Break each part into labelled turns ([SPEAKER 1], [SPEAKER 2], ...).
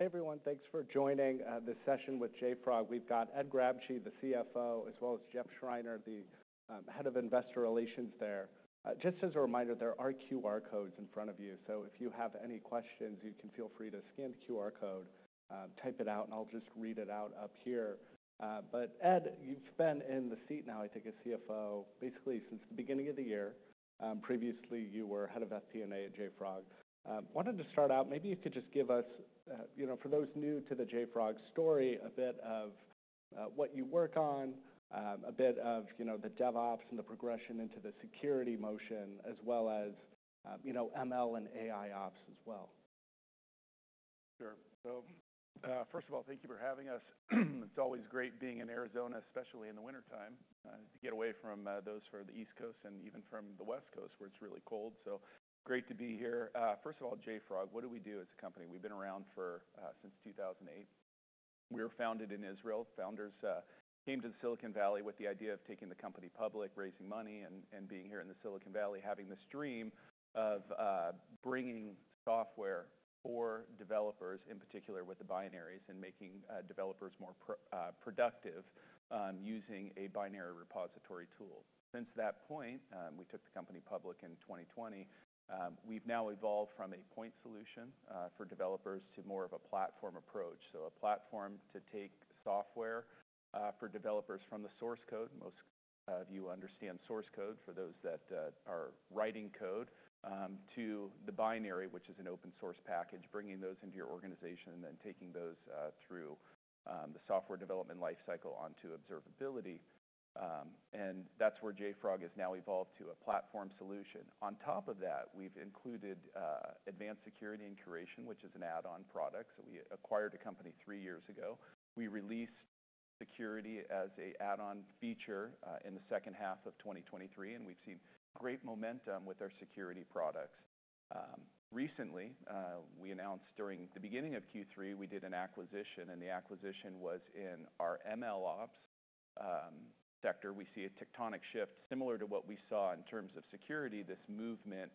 [SPEAKER 1] Hey everyone, thanks for joining this session with JFrog. We've got Ed Grabscheid, the CFO, as well as Jeff Schreiner, the Head of Investor Relations there. Just as a reminder, there are QR codes in front of you, so if you have any questions, you can feel free to scan the QR code, type it out, and I'll just read it out up here. But Ed, you've been in the seat now, I think, as CFO basically since the beginning of the year. Previously, you were head of FP&A at JFrog. I wanted to start out, maybe you could just give us, you know, for those new to the JFrog story, a bit of what you work on, a bit of, you know, the DevOps and the progression into the security motion, as well as, you know, ML and AIOps as well.
[SPEAKER 2] Sure, so first of all, thank you for having us. It's always great being in Arizona, especially in the wintertime, to get away from those from the East Coast and even from the West Coast where it's really cold, so great to be here. First of all, JFrog, what do we do as a company? We've been around since 2008. We were founded in Israel. Founders came to the Silicon Valley with the idea of taking the company public, raising money, and being here in the Silicon Valley, having this dream of bringing software for developers, in particular with the binaries, and making developers more productive using a binary repository tool. Since that point, we took the company public in 2020. We've now evolved from a point solution for developers to more of a platform approach. So a platform to take software for developers from the source code, most of you understand source code for those that are writing code, to the binary, which is an open-source package, bringing those into your organization and then taking those through the software development lifecycle onto observability. And that's where JFrog has now evolved to a platform solution. On top of that, we've included Advanced Security and Curation, which is an add-on product. So we acquired a company three years ago. We released security as an add-on feature in the second half of 2023, and we've seen great momentum with our security products. Recently, we announced during the beginning of Q3, we did an acquisition, and the acquisition was in our MLOps sector. We see a tectonic shift similar to what we saw in terms of security, this movement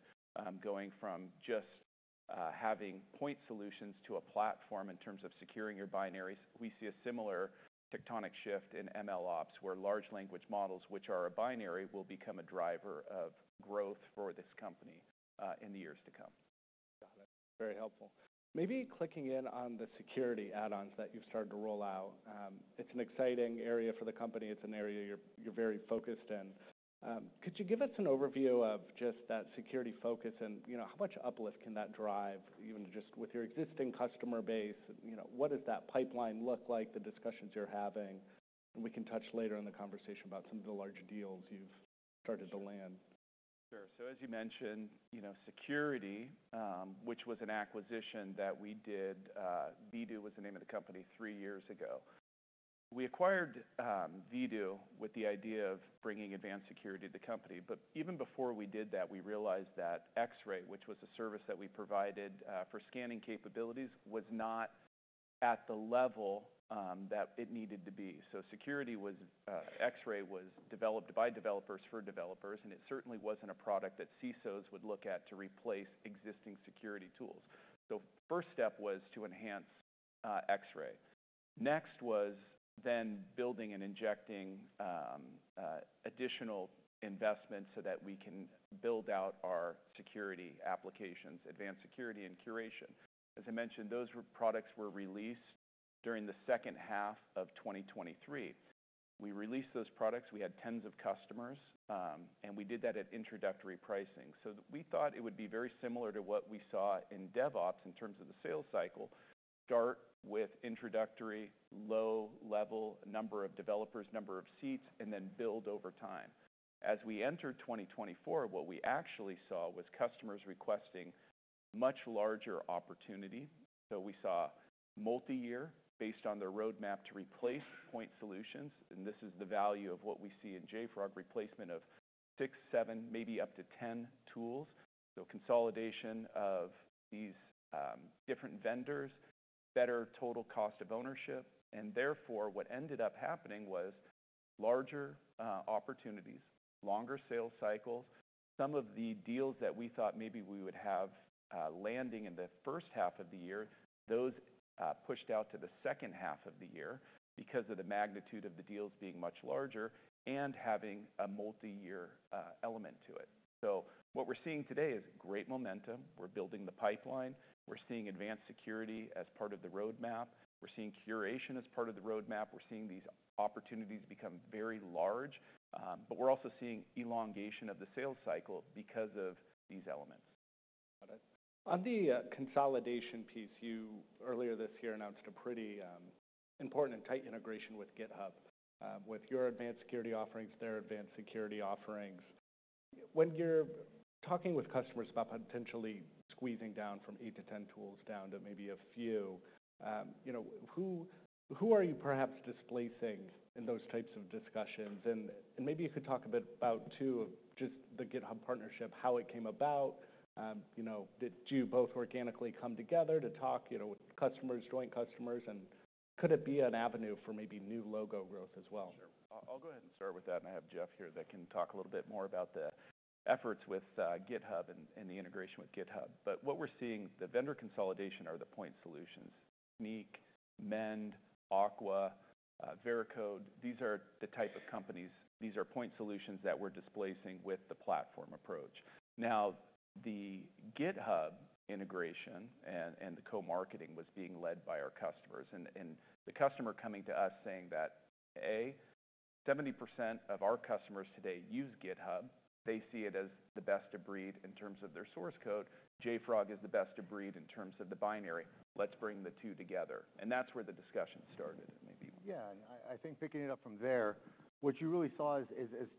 [SPEAKER 2] going from just having point solutions to a platform in terms of securing your binaries. We see a similar tectonic shift in MLOps, where large language models, which are a binary, will become a driver of growth for this company in the years to come.
[SPEAKER 1] Got it. Very helpful. Maybe clicking in on the security add-ons that you've started to roll out. It's an exciting area for the company. It's an area you're very focused in. Could you give us an overview of just that security focus and, you know, how much uplift can that drive even just with your existing customer base? You know, what does that pipeline look like, the discussions you're having? And we can touch later in the conversation about some of the larger deals you've started to land.
[SPEAKER 2] Sure. So as you mentioned, you know, security, which was an acquisition that we did, Vdoo was the name of the company, three years ago. We acquired Vdoo with the idea of bringing advanced security to the company. But even before we did that, we realized that Xray, which was a service that we provided for scanning capabilities, was not at the level that it needed to be. So security was, Xray was developed by developers for developers, and it certainly wasn't a product that CISOs would look at to replace existing security tools. So the first step was to enhance Xray. Next was then building and injecting additional investments so that we can build out our security applications, advanced security and curation. As I mentioned, those products were released during the second half of 2023. We released those products. We had tens of customers, and we did that at introductory pricing. We thought it would be very similar to what we saw in DevOps in terms of the sales cycle: start with introductory, low-level number of developers, number of seats, and then build over time. As we entered 2024, what we actually saw was customers requesting much larger opportunity. We saw multi-year based on their roadmap to replace point solutions. And this is the value of what we see in JFrog: replacement of six, seven, maybe up to 10 tools. So consolidation of these different vendors, better total cost of ownership. And therefore, what ended up happening was larger opportunities, longer sales cycles. Some of the deals that we thought maybe we would have landing in the first half of the year, those pushed out to the second half of the year because of the magnitude of the deals being much larger and having a multi-year element to it. So what we're seeing today is great momentum. We're building the pipeline. We're seeing advanced security as part of the roadmap. We're seeing curation as part of the roadmap. We're seeing these opportunities become very large. But we're also seeing elongation of the sales cycle because of these elements.
[SPEAKER 1] Got it. On the consolidation piece, you earlier this year announced a pretty important and tight integration with GitHub, with your advanced security offerings, their advanced security offerings. When you're talking with customers about potentially squeezing down from eight to ten tools down to maybe a few, you know, who are you perhaps displacing in those types of discussions? And maybe you could talk a bit about, too, just the GitHub partnership, how it came about. You know, did you both organically come together to talk, you know, with customers, joint customers? And could it be an avenue for maybe new logo growth as well?
[SPEAKER 2] Sure. I'll go ahead and start with that. And I have Jeff here that can talk a little bit more about the efforts with GitHub and the integration with GitHub. But what we're seeing, the vendor consolidation or the point solutions, Snyk, Mend, Aqua, Veracode, these are the type of companies. These are point solutions that we're displacing with the platform approach. Now, the GitHub integration and the co-marketing was being led by our customers. And the customer coming to us saying that, A, 70% of our customers today use GitHub. They see it as the best of breed in terms of their source code. JFrog is the best of breed in terms of the binary. Let's bring the two together. And that's where the discussion started, maybe.
[SPEAKER 3] Yeah. I think picking it up from there, what you really saw is,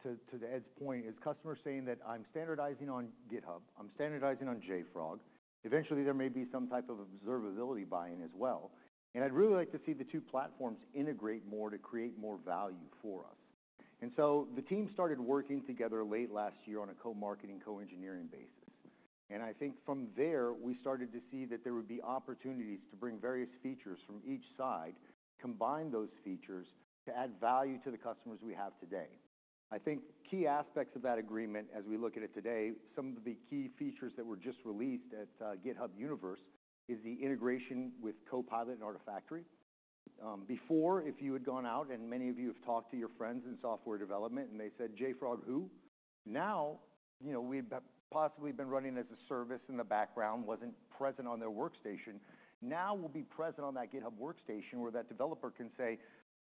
[SPEAKER 3] to Ed's point, is customers saying that, "I'm standardizing on GitHub. I'm standardizing on JFrog." Eventually, there may be some type of observability buy-in as well. And I'd really like to see the two platforms integrate more to create more value for us. And so the team started working together late last year on a co-marketing, co-engineering basis. And I think from there, we started to see that there would be opportunities to bring various features from each side, combine those features to add value to the customers we have today. I think key aspects of that agreement, as we look at it today, some of the key features that were just released at GitHub Universe is the integration with Copilot and Artifactory. Before, if you had gone out and many of you have talked to your friends in software development and they said, "JFrog who?" Now, you know, we've possibly been running as a service in the background, wasn't present on their workstation. Now we'll be present on that GitHub workstation where that developer can say,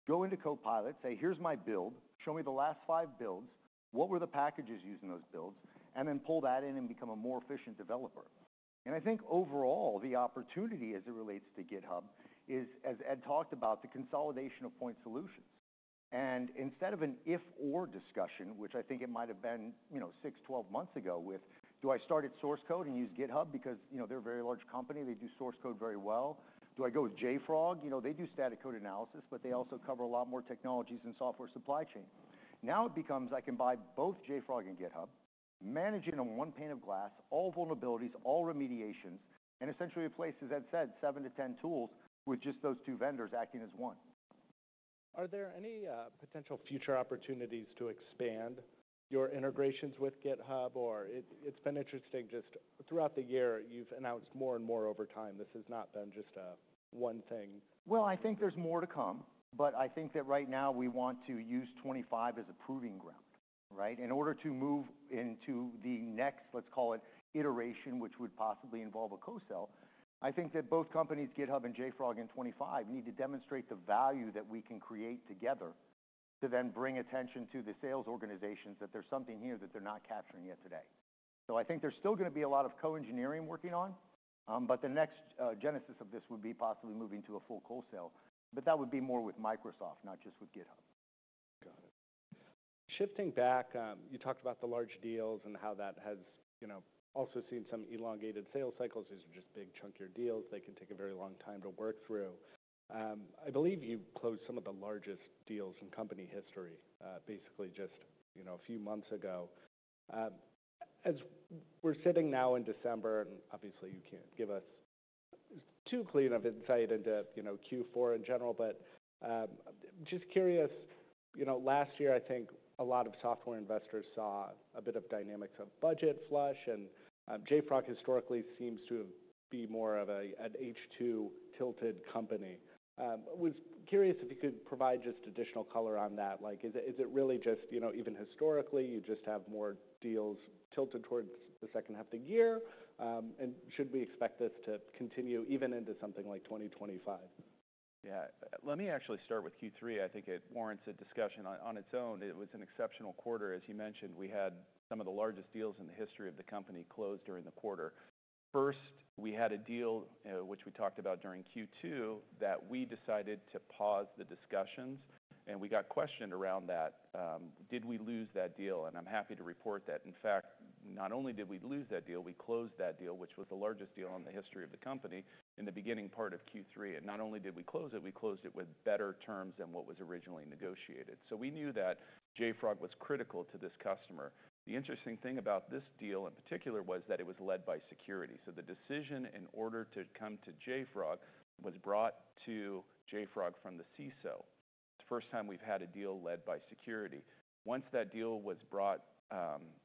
[SPEAKER 3] "Go into Copilot, say, 'Here's my build. Show me the last five builds. What were the packages used in those builds?'" And then pull that in and become a more efficient developer. And I think overall, the opportunity as it relates to GitHub is, as Ed talked about, the consolidation of point solutions. And instead of an either/or discussion, which I think it might have been, you know, six, 12 months ago with, "Do I start at source code and use GitHub? Because, you know, they're a very large company. They do source code very well. Do I go with JFrog?" You know, they do static code analysis, but they also cover a lot more technologies and software supply chain. Now it becomes, "I can buy both JFrog and GitHub, manage it on one pane of glass, all vulnerabilities, all remediations," and essentially replace, as Ed said, seven to 10 tools with just those two vendors acting as one.
[SPEAKER 1] Are there any potential future opportunities to expand your integrations with GitHub? Or, it's been interesting, just throughout the year, you've announced more and more over time. This has not been just one thing.
[SPEAKER 3] I think there's more to come. But I think that right now we want to use 2025 as a proving ground, right, in order to move into the next, let's call it, iteration, which would possibly involve a co-sell. I think that both companies, GitHub and JFrog in 2025, need to demonstrate the value that we can create together to then bring attention to the sales organizations that there's something here that they're not capturing yet today. So I think there's still going to be a lot of co-engineering working on. But the next genesis of this would be possibly moving to a full co-sell. But that would be more with Microsoft, not just with GitHub.
[SPEAKER 1] Got it. Shifting back, you talked about the large deals and how that has, you know, also seen some elongated sales cycles as just big chunkier deals they can take a very long time to work through. I believe you closed some of the largest deals in company history, basically just, you know, a few months ago. As we're sitting now in December, and obviously you can't give us too clean of insight into, you know, Q4 in general, but just curious, you know, last year, I think a lot of software investors saw a bit of dynamics of budget flush. And JFrog historically seems to be more of an H2-tilted company. I was curious if you could provide just additional color on that. Like, is it really just, you know, even historically, you just have more deals tilted towards the second half of the year? Should we expect this to continue even into something like 2025?
[SPEAKER 2] Yeah. Let me actually start with Q3. I think it warrants a discussion on its own. It was an exceptional quarter. As you mentioned, we had some of the largest deals in the history of the company close during the quarter. First, we had a deal, which we talked about during Q2, that we decided to pause the discussions, and we got questioned around that. Did we lose that deal? I'm happy to report that, in fact, not only did we not lose that deal, we closed that deal, which was the largest deal in the history of the company in the beginning part of Q3. Not only did we close it, we closed it with better terms than what was originally negotiated, so we knew that JFrog was critical to this customer. The interesting thing about this deal in particular was that it was led by security. The decision in order to come to JFrog was brought to JFrog from the CISO. It's the first time we've had a deal led by security. Once that deal was brought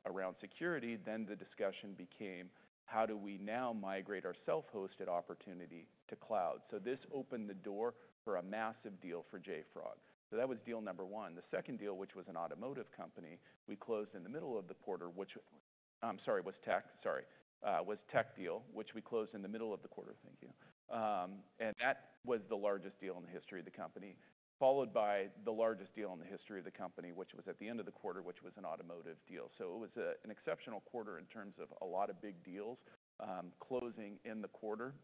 [SPEAKER 2] around security, then the discussion became, "How do we now migrate our self-hosted opportunity to cloud?" This opened the door for a massive deal for JFrog. That was deal number one. The second deal, which was a tech deal, we closed in the middle of the quarter. Thank you. That was the largest deal in the history of the company, followed by the largest deal in the history of the company, which was at the end of the quarter, which was an automotive deal. It was an exceptional quarter in terms of a lot of big deals closing in the quarter.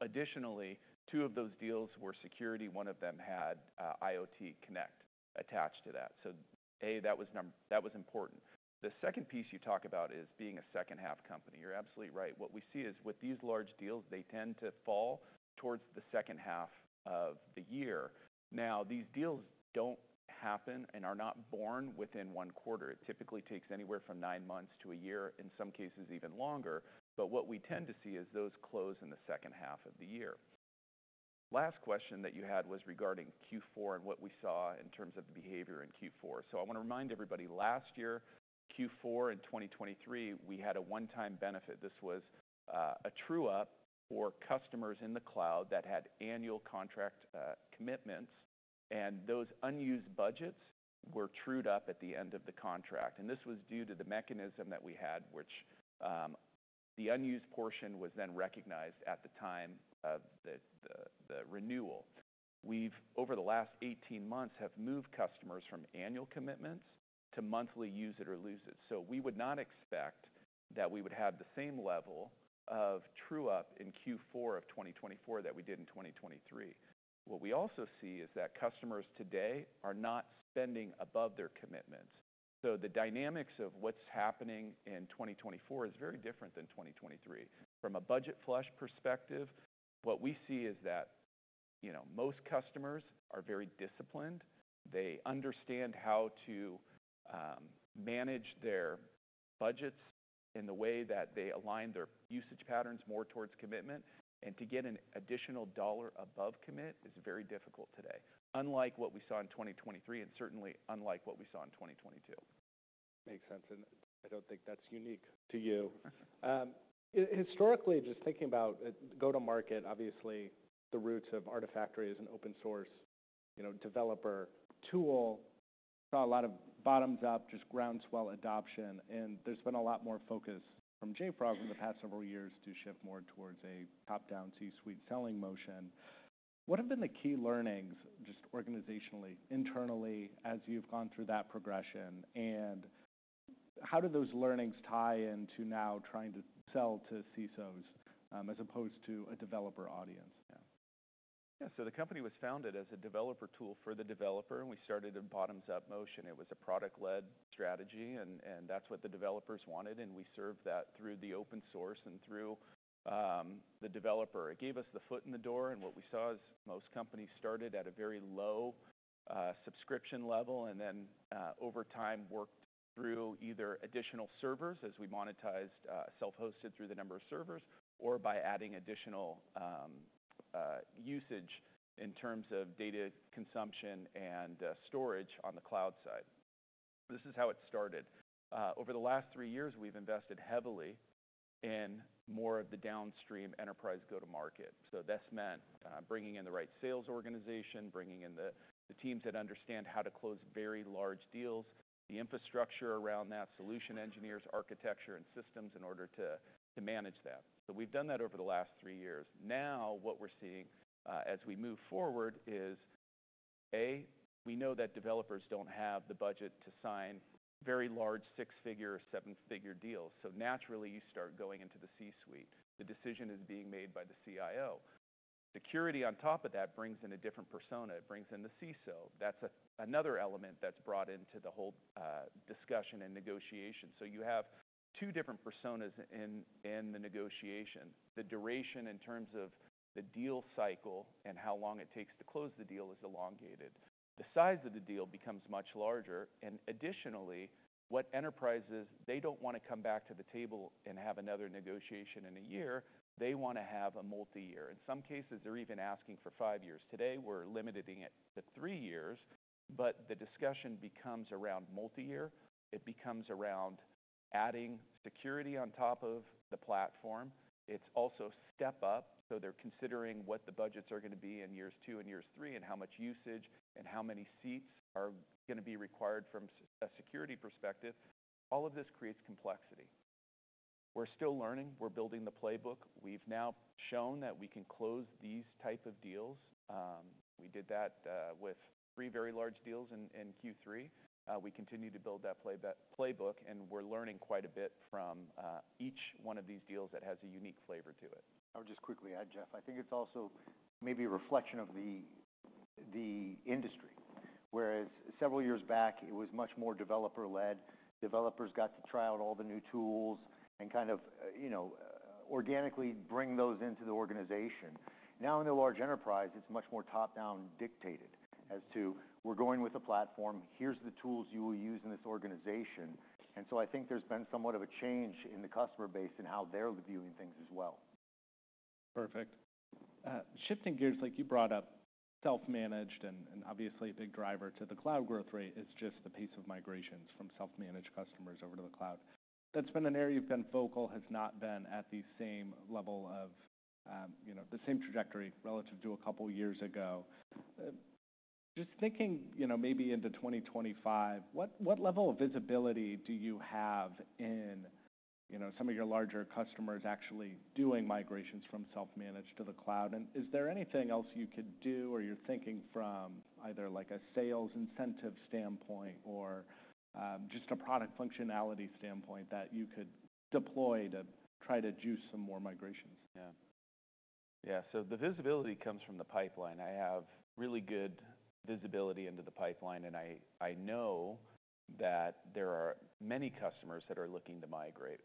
[SPEAKER 2] Additionally, two of those deals were security. One of them had JFrog Connect attached to that. A, that was important. The second piece you talk about is being a second-half company. You're absolutely right. What we see is with these large deals, they tend to fall towards the second half of the year. Now, these deals don't happen and are not born within one quarter. It typically takes anywhere from nine months to a year, in some cases even longer. But what we tend to see is those close in the second half of the year. Last question that you had was regarding Q4 and what we saw in terms of the behavior in Q4. I want to remind everybody last year, Q4 and 2023, we had a one-time benefit. This was a true-up for customers in the cloud that had annual contract commitments, and those unused budgets were trued up at the end of the contract, and this was due to the mechanism that we had, which the unused portion was then recognized at the time of the renewal. We've, over the last 18 months, moved customers from annual commitments to monthly use it or lose it, so we would not expect that we would have the same level of true-up in Q4 of 2024 that we did in 2023. What we also see is that customers today are not spending above their commitments, so the dynamics of what's happening in 2024 is very different than 2023. From a budget flush perspective, what we see is that, you know, most customers are very disciplined. They understand how to manage their budgets in the way that they align their usage patterns more towards commitment, and to get an additional dollar above commit is very difficult today, unlike what we saw in 2023 and certainly unlike what we saw in 2022.
[SPEAKER 1] Makes sense. And I don't think that's unique to you. Historically, just thinking about go-to-market, obviously the roots of Artifactory as an open-source, you know, developer tool, saw a lot of bottoms-up, just groundswell adoption. And there's been a lot more focus from JFrog over the past several years to shift more towards a top-down C-suite selling motion. What have been the key learnings, just organizationally, internally, as you've gone through that progression? And how do those learnings tie into now trying to sell to CISOs as opposed to a developer audience now?
[SPEAKER 2] Yeah. So the company was founded as a developer tool for the developer. And we started a bottoms-up motion. It was a product-led strategy. And that's what the developers wanted. And we served that through the open source and through the developer. It gave us the foot in the door. And what we saw is most companies started at a very low subscription level and then, over time, worked through either additional servers as we monetized self-hosted through the number of servers or by adding additional usage in terms of data consumption and storage on the cloud side. This is how it started. Over the last three years, we've invested heavily in more of the downstream enterprise go-to-market. So this meant bringing in the right sales organization, bringing in the teams that understand how to close very large deals, the infrastructure around that, solution engineers, architecture, and systems in order to manage that. So we've done that over the last three years. Now, what we're seeing as we move forward is, A, we know that developers don't have the budget to sign very large six-figure or seven-figure deals. So naturally, you start going into the C-suite. The decision is being made by the CIO. Security, on top of that, brings in a different persona. It brings in the CISO. That's another element that's brought into the whole discussion and negotiation. So you have two different personas in the negotiation. The duration in terms of the deal cycle and how long it takes to close the deal is elongated. The size of the deal becomes much larger. And additionally, what enterprises they don't want to come back to the table and have another negotiation in a year. They want to have a multi-year. In some cases, they're even asking for five years. Today, we're limiting it to three years. But the discussion becomes around multi-year. It becomes around adding security on top of the platform. It's also step-up. So they're considering what the budgets are going to be in years two and years three and how much usage and how many seats are going to be required from a security perspective. All of this creates complexity. We're still learning. We're building the playbook. We've now shown that we can close these types of deals. We did that with three very large deals in Q3. We continue to build that playbook. We're learning quite a bit from each one of these deals that has a unique flavor to it.
[SPEAKER 3] I would just quickly add, Jeff, I think it's also maybe a reflection of the industry. Whereas several years back, it was much more developer-led. Developers got to try out all the new tools and kind of, you know, organically bring those into the organization. Now, in the large enterprise, it's much more top-down dictated as to, "We're going with a platform. Here's the tools you will use in this organization." And so I think there's been somewhat of a change in the customer base and how they're viewing things as well.
[SPEAKER 1] Perfect. Shifting gears, like you brought up, self-hosted and obviously a big driver to the cloud growth rate is just the pace of migrations from self-hosted customers over to the cloud. That's been an area you've been focused on. Has not been at the same level of, you know, the same trajectory relative to a couple of years ago. Just thinking, you know, maybe into 2025, what level of visibility do you have in, you know, some of your larger customers actually doing migrations from self-hosted to the cloud? And is there anything else you could do or you're thinking from either like a sales incentive standpoint or just a product functionality standpoint that you could deploy to try to juice some more migrations?
[SPEAKER 2] Yeah. So the visibility comes from the pipeline. I have really good visibility into the pipeline. And I know that there are many customers that are looking to migrate.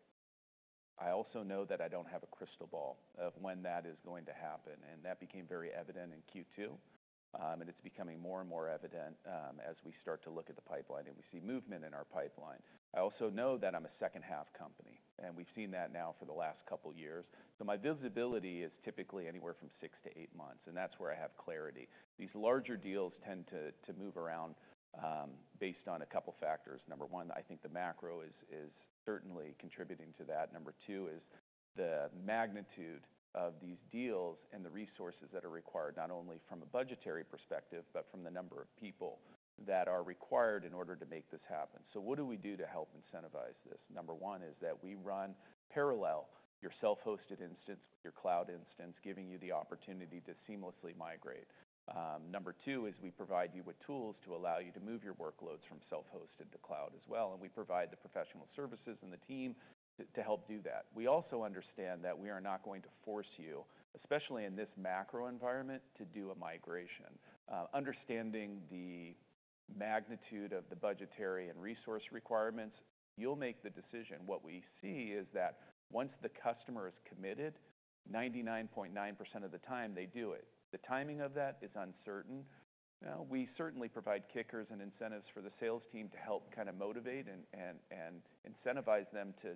[SPEAKER 2] I also know that I don't have a crystal ball of when that is going to happen. And that became very evident in Q2. And it's becoming more and more evident as we start to look at the pipeline and we see movement in our pipeline. I also know that I'm a second-half company. And we've seen that now for the last couple of years. So my visibility is typically anywhere from six to eight months. And that's where I have clarity. These larger deals tend to move around based on a couple of factors. Number one, I think the macro is certainly contributing to that. Number two is the magnitude of these deals and the resources that are required, not only from a budgetary perspective, but from the number of people that are required in order to make this happen. So what do we do to help incentivize this? Number one is that we run parallel your self-hosted instance, your cloud instance, giving you the opportunity to seamlessly migrate. Number two is we provide you with tools to allow you to move your workloads from self-hosted to cloud as well. And we provide the professional services and the team to help do that. We also understand that we are not going to force you, especially in this macro environment, to do a migration. Understanding the magnitude of the budgetary and resource requirements, you'll make the decision. What we see is that once the customer is committed, 99.9% of the time they do it. The timing of that is uncertain. We certainly provide kickers and incentives for the sales team to help kind of motivate and incentivize them to,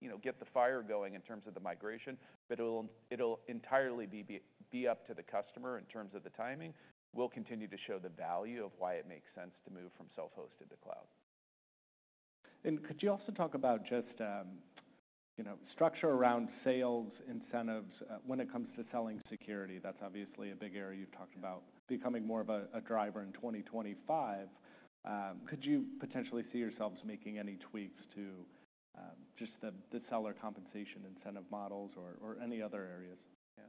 [SPEAKER 2] you know, get the fire going in terms of the migration. But it'll entirely be up to the customer in terms of the timing. We'll continue to show the value of why it makes sense to move from self-hosted to cloud.
[SPEAKER 1] Could you also talk about just, you know, structure around sales incentives when it comes to selling security? That's obviously a big area you've talked about becoming more of a driver in 2025. Could you potentially see yourselves making any tweaks to just the seller compensation incentive models or any other areas? Yeah.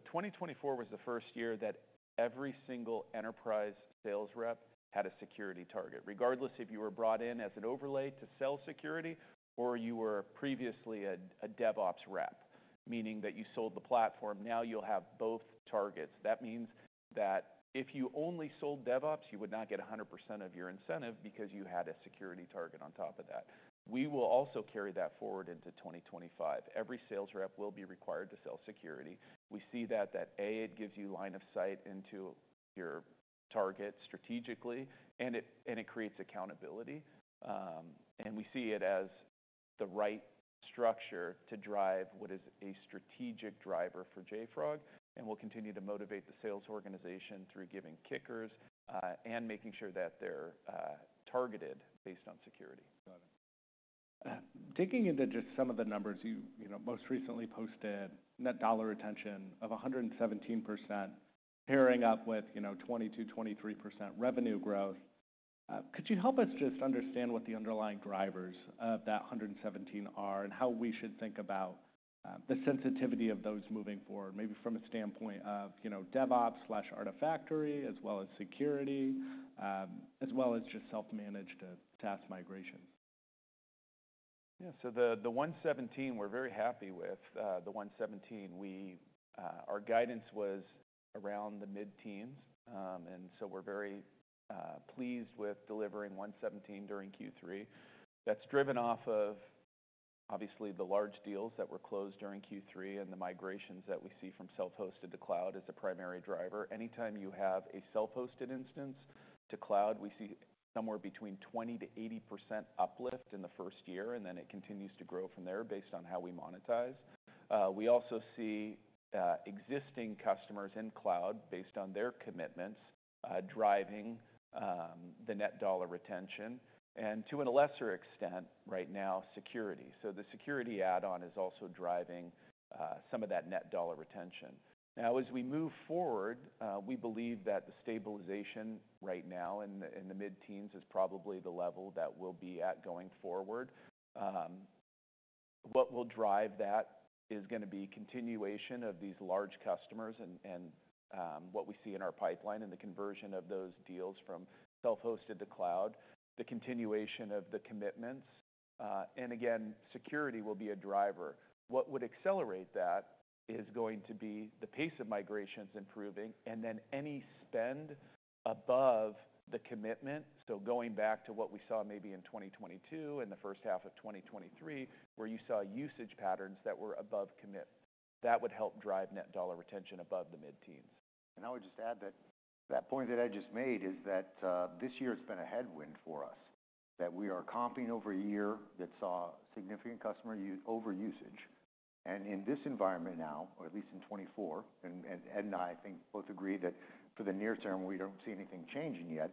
[SPEAKER 2] 2024 was the first year that every single enterprise sales rep had a security target, regardless if you were brought in as an overlay to sell security or you were previously a DevOps rep, meaning that you sold the platform. Now you'll have both targets. That means that if you only sold DevOps, you would not get 100% of your incentive because you had a security target on top of that. We will also carry that forward into 2025. Every sales rep will be required to sell security. We see that A, it gives you line of sight into your target strategically, and it creates accountability. We see it as the right structure to drive what is a strategic driver for JFrog. We'll continue to motivate the sales organization through giving kickers and making sure that they're targeted based on security.
[SPEAKER 1] Got it. Digging into just some of the numbers you know most recently posted, net dollar retention of 117%, pairing up with, you know, 20%-23% revenue growth. Could you help us just understand what the underlying drivers of that 117 are and how we should think about the sensitivity of those moving forward, maybe from a standpoint of, you know, DevOps/Artifactory as well as security, as well as just self-hosted to SaaS migrations?
[SPEAKER 2] Yeah. So, the 117, we're very happy with the 117. Our guidance was around the mid-teens, and so we're very pleased with delivering 117 during Q3. That's driven off of, obviously, the large deals that were closed during Q3 and the migrations that we see from self-hosted to cloud as a primary driver. Anytime you have a self-hosted instance to cloud, we see somewhere between 20%-80% uplift in the first year, and then it continues to grow from there based on how we monetize. We also see existing customers in cloud based on their commitments driving the net dollar retention, and to a lesser extent right now, security, so the security add-on is also driving some of that net dollar retention. Now, as we move forward, we believe that the stabilization right now in the mid-teens is probably the level that we'll be at going forward. What will drive that is going to be continuation of these large customers and what we see in our pipeline and the conversion of those deals from self-hosted to cloud, the continuation of the commitments, and again, security will be a driver. What would accelerate that is going to be the pace of migrations improving and then any spend above the commitment, so going back to what we saw maybe in 2022 and the first half of 2023, where you saw usage patterns that were above commit, that would help drive net dollar retention above the mid-teens.
[SPEAKER 3] I would just add that that point that I just made is that this year has been a headwind for us, that we are comping over a year that saw significant customer overusage. In this environment now, or at least in 2024, and Ed and I think both agree that for the near term, we don't see anything changing yet,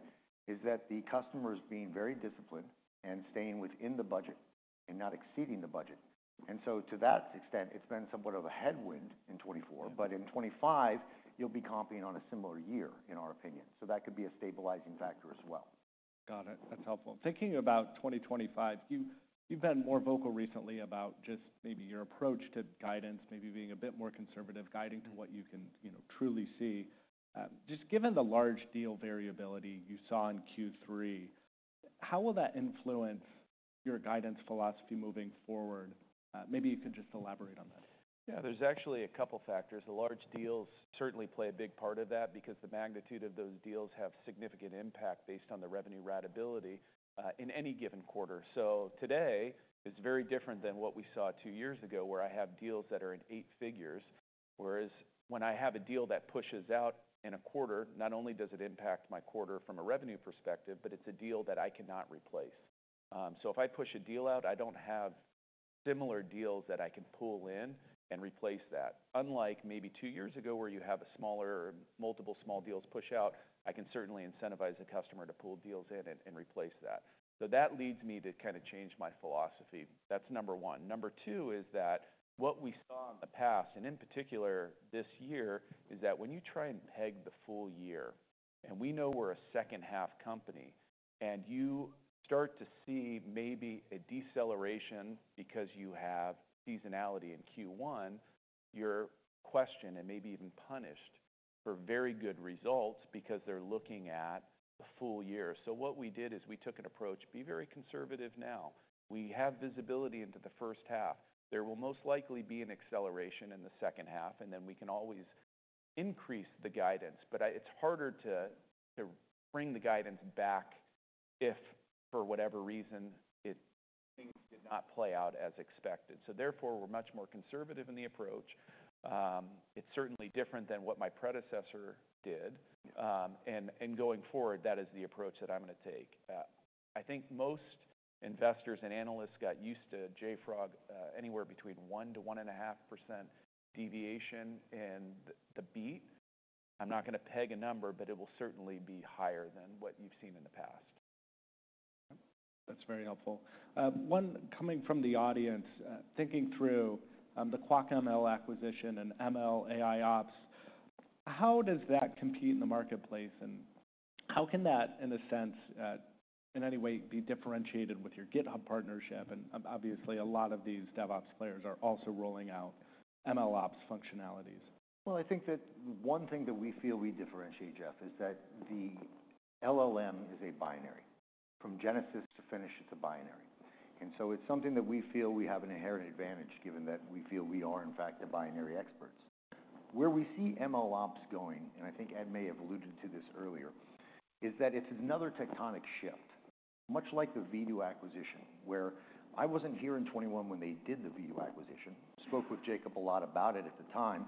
[SPEAKER 3] is that the customer is being very disciplined and staying within the budget and not exceeding the budget. So to that extent, it's been somewhat of a headwind in 2024. In 2025, you'll be comping on a similar year, in our opinion. That could be a stabilizing factor as well.
[SPEAKER 1] Got it. That's helpful. Thinking about 2025, you've been more vocal recently about just maybe your approach to guidance, maybe being a bit more conservative guiding to what you can, you know, truly see. Just given the large deal variability you saw in Q3, how will that influence your guidance philosophy moving forward? Maybe you could just elaborate on that.
[SPEAKER 2] Yeah. There's actually a couple of factors. The large deals certainly play a big part of that because the magnitude of those deals have significant impact based on the revenue ratability in any given quarter. So today, it's very different than what we saw two years ago where I have deals that are in eight figures. Whereas when I have a deal that pushes out in a quarter, not only does it impact my quarter from a revenue perspective, but it's a deal that I cannot replace. So if I push a deal out, I don't have similar deals that I can pull in and replace that. Unlike maybe two years ago where you have a smaller or multiple small deals push out, I can certainly incentivize a customer to pull deals in and replace that. So that leads me to kind of change my philosophy. That's number one. Number two is that what we saw in the past, and in particular this year, is that when you try and peg the full year, and we know we're a second-half company, and you start to see maybe a deceleration because you have seasonality in Q1, you're questioned and maybe even punished for very good results because they're looking at the full year. So what we did is we took an approach: be very conservative now. We have visibility into the first half. There will most likely be an acceleration in the second half, and then we can always increase the guidance, but it's harder to bring the guidance back if for whatever reason things did not play out as expected, so therefore, we're much more conservative in the approach. It's certainly different than what my predecessor did, and going forward, that is the approach that I'm going to take. I think most investors and analysts got used to JFrog anywhere between 1% to 1.5% deviation in the beat. I'm not going to peg a number, but it will certainly be higher than what you've seen in the past.
[SPEAKER 1] That's very helpful. One coming from the audience, thinking through the Qwak acquisition and MLOps, how does that compete in the marketplace? And how can that, in a sense, in any way be differentiated with your GitHub partnership? And obviously, a lot of these DevOps players are also rolling out MLOps functionalities.
[SPEAKER 3] I think that one thing that we feel we differentiate, Jeff, is that the LLM is a binary. From Genesis to finish, it's a binary. And so it's something that we feel we have an inherent advantage given that we feel we are, in fact, the binary experts. Where we see MLOps going, and I think Ed may have alluded to this earlier, is that it's another tectonic shift, much like the Vdoo acquisition, where I wasn't here in 2021 when they did the Vdoo acquisition. Spoke with Jacob a lot about it at the time.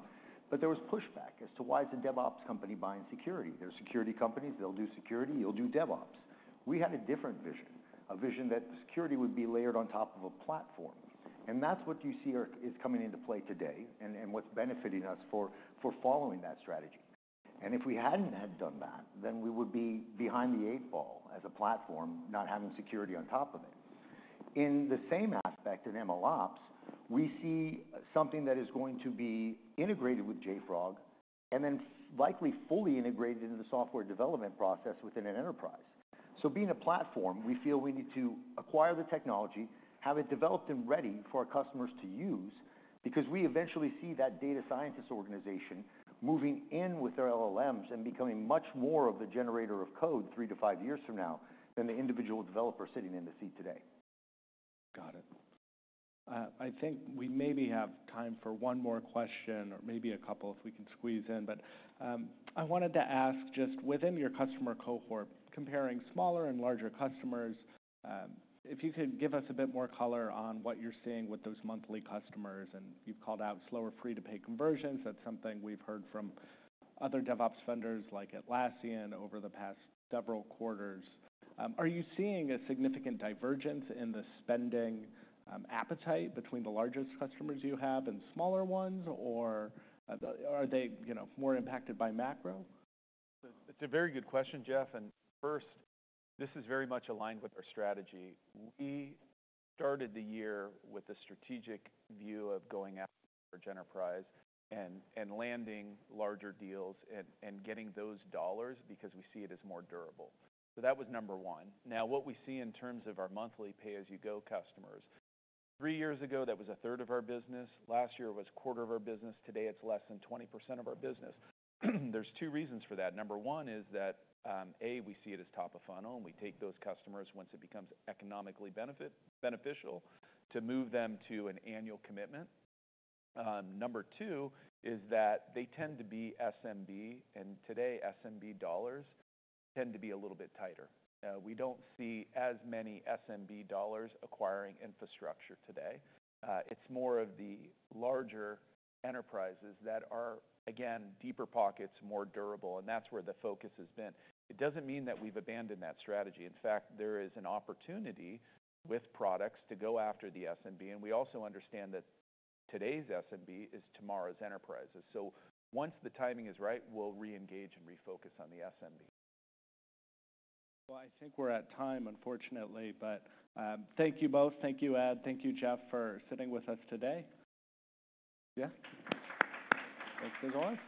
[SPEAKER 3] But there was pushback as to why is a DevOps company buying security? They're security companies. They'll do security. You'll do DevOps. We had a different vision, a vision that security would be layered on top of a platform. That's what you see is coming into play today and what's benefiting us for following that strategy. If we hadn't had done that, then we would be behind the eight ball as a platform, not having security on top of it. In the same aspect in MLOps, we see something that is going to be integrated with JFrog and then likely fully integrated into the software development process within an enterprise. Being a platform, we feel we need to acquire the technology, have it developed and ready for our customers to use because we eventually see that data scientist organization moving in with their LLMs and becoming much more of the generator of code three to five years from now than the individual developer sitting in the seat today.
[SPEAKER 1] Got it. I think we maybe have time for one more question or maybe a couple if we can squeeze in. But I wanted to ask just within your customer cohort, comparing smaller and larger customers, if you could give us a bit more color on what you're seeing with those monthly customers. And you've called out slower free-to-pay conversions. That's something we've heard from other DevOps vendors like Atlassian over the past several quarters. Are you seeing a significant divergence in the spending appetite between the largest customers you have and smaller ones? Or are they more impacted by macro?
[SPEAKER 2] It's a very good question, Jeff, and first, this is very much aligned with our strategy. We started the year with a strategic view of going after large enterprise and landing larger deals and getting those dollars because we see it as more durable, so that was number one. Now, what we see in terms of our monthly pay-as-you-go customers, three years ago, that was a third of our business. Last year it was a quarter of our business. Today, it's less than 20% of our business. There's two reasons for that. Number one is that, A, we see it as top of funnel, and we take those customers once it becomes economically beneficial to move them to an annual commitment. Number two is that they tend to be SMB, and today SMB dollars tend to be a little bit tighter. We don't see as many SMB dollars acquiring infrastructure today. It's more of the larger enterprises that are, again, deeper pockets, more durable. And that's where the focus has been. It doesn't mean that we've abandoned that strategy. In fact, there is an opportunity with products to go after the SMB. And we also understand that today's SMB is tomorrow's enterprises. So once the timing is right, we'll reengage and refocus on the SMB.
[SPEAKER 1] I think we're at time, unfortunately. But thank you both. Thank you, Ed. Thank you, Jeff, for sitting with us today.
[SPEAKER 2] Yeah. Thanks, everyone.